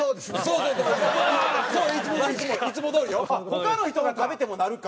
他の人が食べてもなるか。